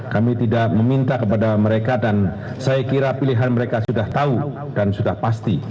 kami tidak meminta kepada mereka dan saya kira pilihan mereka sudah tahu dan sudah pasti